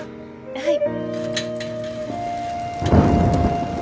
はい。